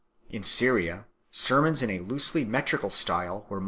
In Syria sermons in a loosely metrical style were in much favour.